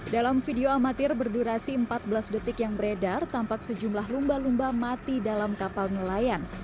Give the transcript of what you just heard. dalam video amatir berdurasi empat belas detik yang beredar tampak sejumlah lumba lumba mati dalam kapal nelayan